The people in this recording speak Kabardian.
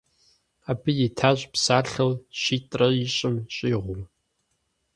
Абы итащ псалъэу щитӏрэ ищӏым щӏигъу.